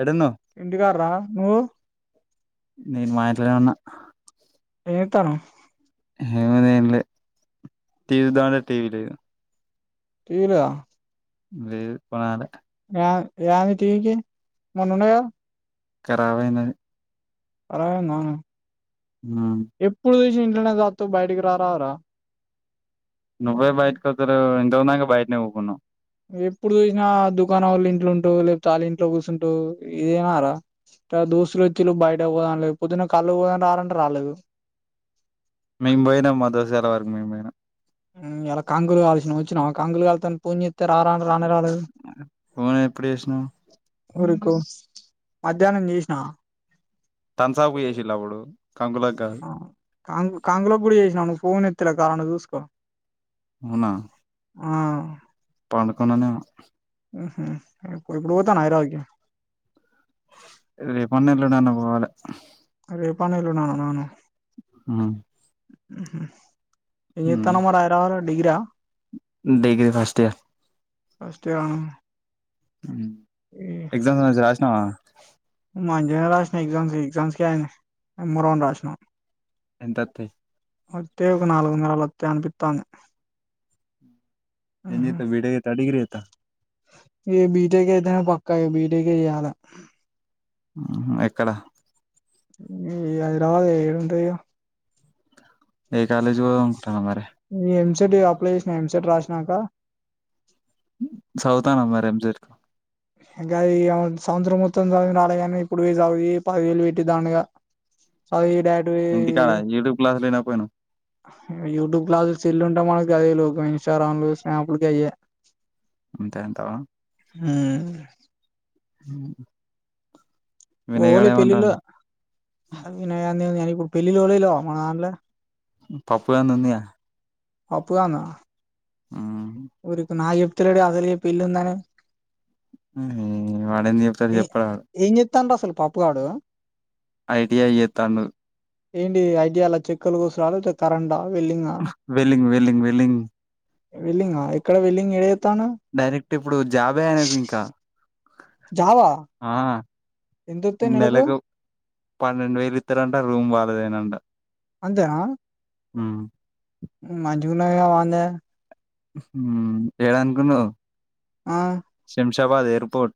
ఎడున్న ఇంటికాడరా నువ్వు నేను మా ఇంట్లోనే ఉన్న ఏతను హేమదంలు టీవ దాంట టీవీ లేదు తీరా లే లేదు పోనాల ఏ తకి మొన్నండయ కరావైన అరందను మ్ ఎప్పుడు తెసి చత బైటకి రార రా నువ్వే బయటకు వతారు ఎంతకుందాక బయటనివ్కున్నావు ఎప్పుడు చూసినా దుకాణం వాళ్ళ ఇంట్లో ఉంటావు లేకపోతే వాళ్ళ ఇంట్లో కూర్చుంటావు ఇదేనాారా ఇ దోస్తులు వచ్చలు బయట పోదాం లేకపోొద్దున కళ్ళు పోదాని రాలంటే రాలేదు మము పోయినా మా దసలా మేమనా ఎలా కాంగులు కాల్సిన వచ్చినా కాంగులు కాళ్తాను పూణ్యతర్ ఆరాండ రానరాాల ఫోన్ ఎప్పుడు చేసినావు ఉరుకు మధ్యాహ్నం చేసిన తస అకుయేషిలా అప్పుడు కంకులకు కాదు ంగ్ కాంగళ పుడి చేయిసినాను ఫోన్ ఎ ల కారణం చూసుకో ఉనా ఆ పండుకుడానే ఆహా రేపన్నల్లుడా అను పోవాలి అరేపానేలు నాను నాను మ్ ఉహ డిగ్రీ ఫస్ట్ ఇయర్ ఫస్ట్ కాను ఎక్జామ్ రాష్నా మా అంజనీర్ రాసినా ఎగ్జామ్స్ ఎగ్జామ్స్కి ఆయ మూ రోండ్ రాసినాం ఎంత వత్తయి ఒే ఒక ఒక నాలుగుందల ట్ట అనుపిట్టాను ఏం చేత్తవ్ బీటెక్ చేత్తవా డిగ్రీ ఏ బిటే కతే ప కైబీటకిదా ఎక్కడ అది రా ఏంట ఏ కాలజ అరి [unintelligible] అప్లై జేస్నా ఎంసెట్ రాశినాంక సౌతాన మరి ఎం సెట్ ఇంగా ఈ సంవత్సరం మొత్తం చదివి రాలేగానీ ఇప్పుడు పెయ్ జవి పదివేలు బెట్టి దండగా చదివి డైరెక్ట్ పోయి ఇంటికాడ యుటూబ్ క్లాస్లులు ఇనకపోయినా యూట్యూబ్ క్లాసు చెల్లు ఉంటా మనకి అదే ఇన్స్టాగ్రామ్ లు స్నాప్ కి అయ అంతే ఎంతవా ఆ అ హ ఓలి పెళ్ళిల్ వినయాన్నిప్పుడు పెళ్ళల్ ఓలిలో మనాలల పప్పు గాంధీ ఉందిగా ఒప్పుగాన్న ఇరి నా చెప్తులడి అదిరు చెప్ప ఇల్ందానే ఆ వాడ ఎన్ని చెప్తారు చెప్పడ పండ అసలు పప్పుగాడు ఐడియా ఏతాను ఏంటి ఐడియాాల చెక్కులు కూసురాాలతే కరెంట వెలింగ్ వెలింగ్ వెలింగ్ వెల్లింగ్ ఎక్కడ వెల్లింగ్ ఏ డైరెక్ట్ ఇప్పుడు జాబే అనేది ఇంకా జవా నెలలకు పన్నెండు వేలు ఇస్తారంట రూమ్ వాళ్ళ ేనాం అంతేనా హ మజూన వాంద హ ఏ అనుకును ఆ షాబాద్ ఎయిర్పోర్ట్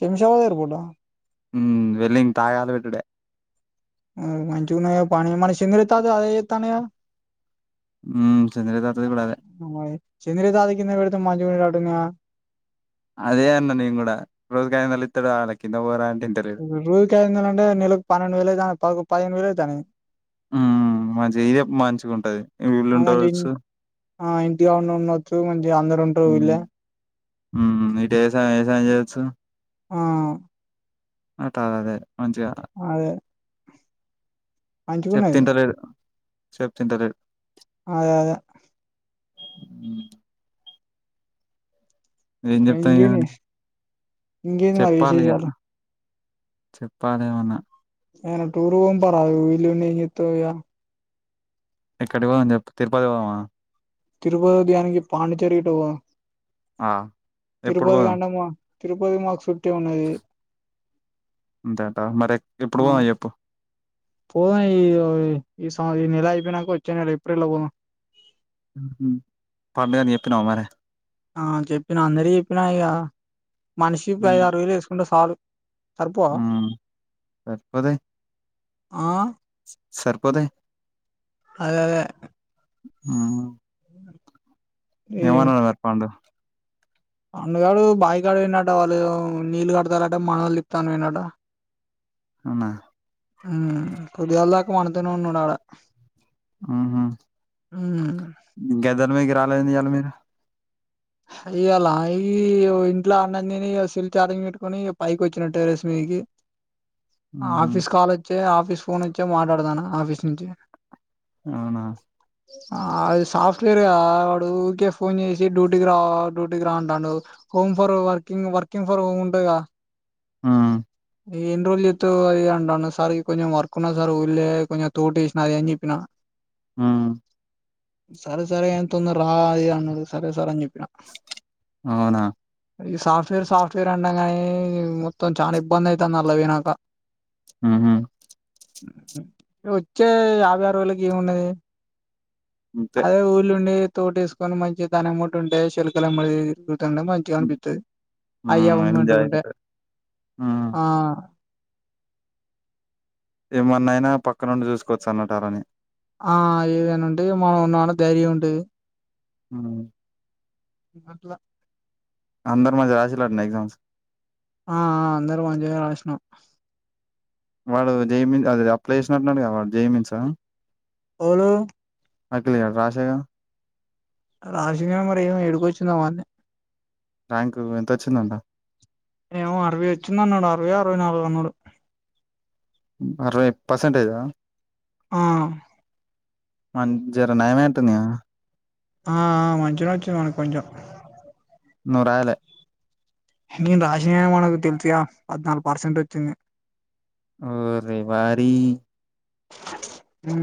సింషవద బోట ఉ వెళ్ళింగ్ తాయద విట్టే మంచూ పాని అ మరి చింద్రిత అదతానే మ్ చంద్ర తాతది కూడా అదే చెంద సాధికన్న ఇడు మాంచి మడి రాడున్నా అదే అన్న ని కూడా రోజ్ గారిినళ ఇత్తాడు ఆాల కింద రాంట రూజుకింటే నెలకు పన్నెండు వేలే పకు పదిను వలు అయితేానే మంచి మంచిగా ఉంటది వీళ్ళు ఆ మంచి ఇన్ ఉండవచ్చు ఆ ఇంటిగా ఉండి ఉండొచ్చు మంచి అందరు ఉంటారు వీళ్ళే ఇటు ఏ ఏసయం చేయచ్చు ఆ అంట అదే అదే మంచిగున్నది చెప్తింటలేడు చెప్తింటలేడు అదే అదే అ ఏం చెప్తాయి కానీ ఇంకేది మరి విశేషాలు చెప్పాలేమన్నా [unintelligible] ఎక్కడికి పోదాం చెప్పు తిరుపతి పోదామా తిరుపతి దేనికి పాండిచ్చేరి ఇట్ట పో ఆ [unintelligible] ఎప్పుడు తిరుపతి పోదాం కాంటేమా తిరుపతి మక్ చుట్టే ఉన్నది అంతేంటావా మరి ఎప్పుడు ఆ పోదాం చెప్పు పోదాం ఇగ ఈ సారి ఈ నెల అయిపోయినాక వచ్చే నెల ఏప్రిల్ లో పోదాం పద [unintelligible] చెప్పినావా మరి ఆ చెప్పినా అందరి చెప్పినా ఇగ మనిషికి ఐదారు వేలు వేసుకుంటే సాలు సరిపోవా మ్మ్ ఆ స్పోతాయ్ ఆ సరిపోతాయ్ అలాగే మ్మ్ ఏమనా [inaudible] పండు పండుగాడు బాయిగాడ పోయినాడు వాళ్ళు నీళ్ళు కడతారుంటే మాడలు తిప్తాని పోయ్నాడు అవునా? మ్ పొద్దుగాళ్దాక మనతోనే ఉన్నాడాడ ఊహూ హ్మ్ గద్దెల మీదకి రాలేఏంది ఇయ్యాల మీరు ఇయ్యలా ఈ [unintelligible] ఇంట్లో అన్నం తిని సెల్ ఛార్జింగ్ పెట్టుకొని ఇగ పైకొచ్చిన టెర్రస్ మీదికి హుహ్ ఆఫీస్ కాలేజ్ తే ఆఫీస్ ఫోన్ వచ్చే మాట్లాడతాన్నా ఆఫీస్ [unintelligible] అవునా ఆ అది సాఫ్ట్వేర్గా వాడు ఊరికే ఫోన్ చేసి డ్యూటీ రా డ్యూటీకి రా అంటాడు home for working working for home ఉంటదిగా ఆ ఈ ఎన్ని రోజులు చేత్తవ్ అది ఇది అంటాండు సార్ కొంచెం వర్క్ ఉన్నది. సార్ ఊర్లే కొంచెం తోట ఏసిన అది అని చెప్పినా మ్ సరే సరే ఎంత తొందరా ఇది అన్నడు సరే సరే అని చెప్ అవునా ఈ సాఫ్ట్వేర్ సాఫ్ట్వేర్ అంటం కానీ మొత్తం చానా ఇబ్బంది అయితాంది ఆళ్ల పోయినంక హ్ మ్ [inaudible] వచ్చే యాభై ఆరు వేలకి ఏమున్నది అంతే. అదే ఊర్ల ఉండి తోట ఏస్కొని మంచి దాన్నే వెంబట ఉంటే చిలకలమ్మ ఇక్కడ్నే మంచిగా హ్మ్. అనిపిత్తది అయ్యా హ్మ్. ఎంజాయ్ అవ్వ బెటర్. హ్మ్. [inaudible] ఆ ఏమన్నయినా పక్కనుండి చూసుకోవచ్చు అన్నటారని ఆ ఏదైనుంటే మనం ఉన్నా అన్న ధైర్యం ఉంటది మ్ మట్ల అందరు మంచిగా రాసిన్లటనా ఎగ్జామ్స్ ఆ ఆ అందరు మంచిగానే రాసినం వాడు జై అది అప్లై చేసినట్టున్నడుగా వాడు జై మిన్స ఓలు అఖిల్ గాడు రాసేగా రాసిండు గని మరి ఏమో యేడికొచ్చిందో మరి ర్యాంక్ ఎంతొచ్చిందంట ఏమో అరవై వచ్చింది అన్నాడు అరవై అరవై నాలుగు అన్నాడు అరవై పర్సెంటేజా ఆ వాణికి జరా నయం [inaudible] ఆ మంచిగనే వచ్చినయ్ మనకు కొంచెం ను రాయలే నేను రాసిన గని మనకు తెల్సుగా పద్నాలుగు పర్సెంట్ వచ్చింది ఓరే వారి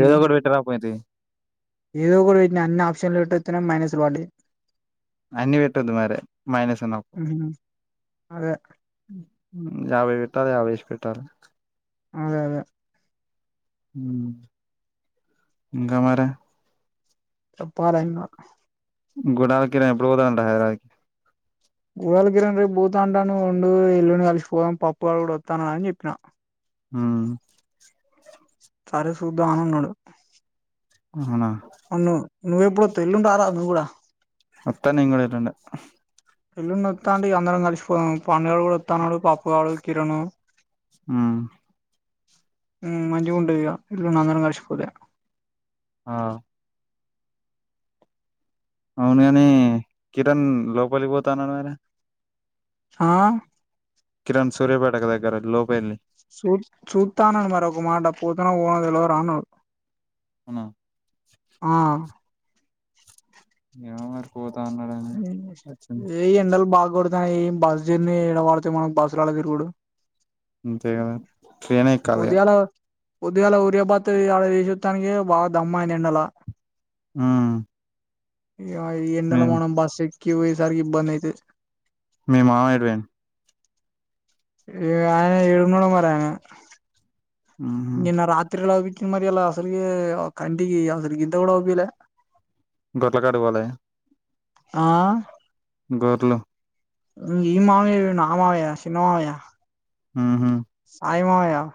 ఏదో ఒకటి పెట్టారాపోతి. ఏదో ఒకటి పెట్టిన అన్ని ఆప్షన్లు పెట్టొస్తేనే మైనస్లు పడ్డాయ్ అన్ని పెట్టదు మర మైనస్ ఉన్నపు అదే యాభై పెట్టాలి యాభై ఇడిసి పెట్టాలె అదే అదే ఇంకా మరే చెప్పాలే ఇంకా గుడాలకిిర ఎప్పుడు పోదాం హైదా గురలకిిర రేపు బూత అంటాను ఉండు ఇల్లుని కలిసిపోదాం పప్పు వాళ్ళ కూడా వస్తాను అని చెప్పిన ఆ ఆ అవునా అవున్న నువ్వవు ఎప్పుడు తెల్లుంటరా నువ్వు కూడా వత్తా నేను కూడా ఎల్లుండి పెళ్ల్లుని వస్తా అండి అందరం కలిసిపో పండుగడు కూడా వస్తున్నాడు పాప్పుగాడు కిరణు ఉమ్ మంచిగా ఉంటుంది ఇల్లు అందరం కడిసిిపోతే ఆ అవును కాని కిరణ్ లోపలికి పోతున్నారు మర ఆ కిరణ్ బ్యాటదగ ఇగ లోప వెని సూత్ సూతానను మరి ఒక మాట పోతున్నా ఓనదిలో రాను అ ఏ మాకో ఏ ఎండలు బాగాడదు బస్ జర్నీ ఎడ వాడితే మనం బస్సు రాళ తిరుగుడు అంతే కద ట్రైన్ ఎక్కాలి ఉద్గాల ఉరియా భాతడసూానికి బాగా దమ్ అయింది ఎండలా ఆ కి వయి సార్కి బనతే మీ మామ ఇడవేన్ ఈ ఆయన ఇరున్నూడం పను ఉహు నిన్న రాత్రి ఎలా వికన మరి ఎలా అసలుగ కంటికి అ గొంతడ పిలే గొర్ల కాడికి పోలే ఆ గోర్లు ఇ ఈ మామయ మామవయ సినిన్నమావయ ఆహా మ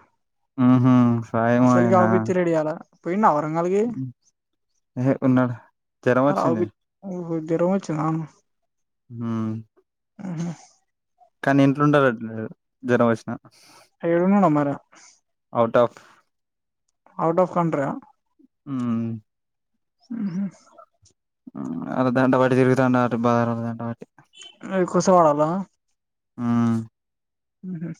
ఆహా అసలు గ అవు బితి రెడి అల పోయినా ఏ ఉన్నాడు జర వచ్చనే తొమిించుదా హ్మ్ హ్మ్ హు కానీ ఇంట్లుంటరు అట్లలేదు జరమొచ్చినా ఏడున్నడో మరి ఔ టాఫ్ ఔటాఫ్ కంట్రి యా ఉమ్ హ్మ్ హు అ దండవాటి తిరుగుతాండట బాదంట వాటి నీ కొస వాడాల హ్మ్ హ్మ్ హు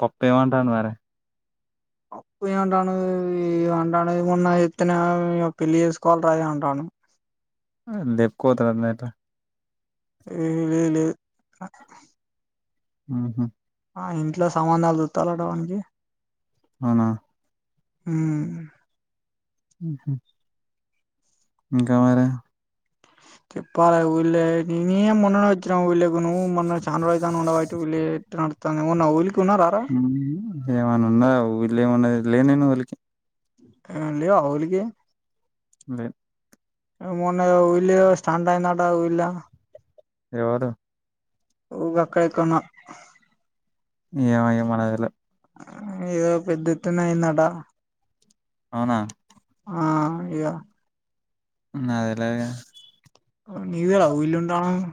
పప్పే వంటనవ రా అప్పుయే అంటనవు యే అంటనవు గున్న ఎత్తనవ్ ఇగ పెళ్లి చేసుకోవాలిరా అది అంటానావ్ అయ్ లెప్కోపోతాడ్ అన్నట ఊ లేద్ లేద్ హ్మ్ హు ఆ ఇంట్లో సంబంధాలు సూత్తాలట వానికి అవునా హ్మ ఉ హా ఇంకా మరే చెప్పాలా ఊళ్ళే నేనే మొన్ననే వచ్చినా ఉళ్లేకి నువ్వు మొన్న చాన్ రోయితంది ఉండ బట్టి ఉల్లేట నడుతాన్ ఏమోన్నా ఉలికున్నారా రా ఏమన్నా ఉన్నదా ఊళ్ళో ఏమున్నది లేనే నువ్వు ఊళ్ళకి ఆ లేవా ఉలికే లేన్ మొన్న ఉలీయో స్టాండ్ అయిదంట ఊళ్ళ ఎవడు ఉ వక్కైకున్నా ఏమో ఏమో నాదెలు ఏదో పెద్ద ఎత్తున అయిదట అవునా ఆ ఇగ అదేలాగ నీదే [unintelligible]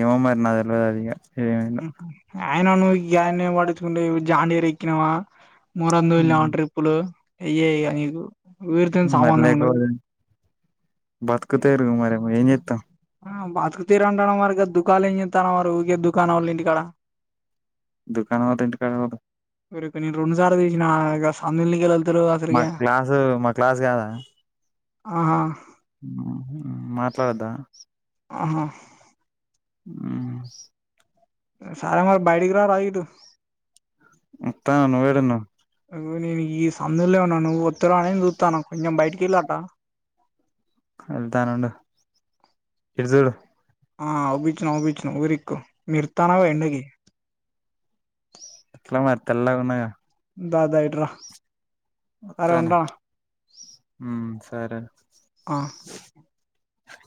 ఏమో మరి నాదెల్వాద్ అధిక ఆయన నువ్వు గ్యాన్నే పడించుకుంటే జాండేరేక్కినావా మూరందు వెళ్నవా ట్రిప్పులు అయయిగా నీకు ఉరితోనీ సమందముండదు బతుకతేరు మరి ఏం జే త ఆ బతుకు తీర అంటన్నావ్ మరి దూకాలో ఏం చేతన్నావ్ మరి ఊకే దుకాణం వాళ్ళ ఇంటి ఇక్కడ దుకానా వద్ద ఇంటి కదా కాదు ఊరికే నేను రెండుసార్లు తీసిన ఇగా ఆ సందు ఆ మా క్లాసు మా క్లాస్ కాదా ఆహా మాట్లాడదా ఆహా ఆ [unintelligible] వస్తాను ఎడ ఉన్నావ్ ఈ సందులో ఉన్న నువ్ వస్తావు అని చూస్తున్న కొంచెం బయటికి వెళ్ళి వస్త వెళ్తాను ఉండు [unintelligible] [unintelligible] [unintelligible] ఎట్లా మరి తెల్లాగా ఉన్నాయి గా దాదాయిడ్రా సరే వత్తాను ఉంటా ఉమ్ సరే ఆ